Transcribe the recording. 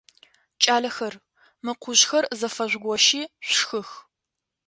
Кӏалэхэр, мы къужъхэр зэфэжъугощи, шъушхых!